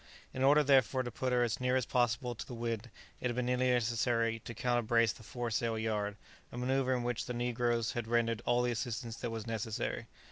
In order, therefore, to put her as near as possible to the wind, it had been merely necessary to counter brace the fore sail yard, a manoeuvre in which the negroes had rendered all the assistance that was necessary.